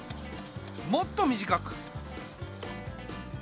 もっと短く。